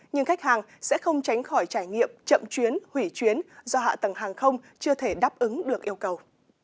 nhưng khách hàng sẽ không tránh khỏi trải nghiệm chậm chuyến hủy chuyến do hạ tầng hàng không chưa thể đáp ứng được yêu cầu